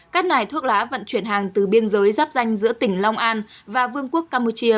các đài thuốc lá vận chuyển hàng từ biên giới giáp danh giữa tỉnh long an và vương quốc campuchia